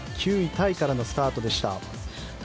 タイからのスタートでした。